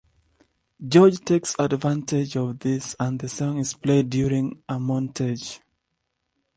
George takes advantage of this and the song is played during a montage.